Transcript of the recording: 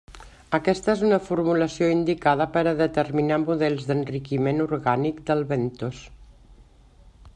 Aquesta és una formulació indicada per a determinar models d'enriquiment orgànic del bentos.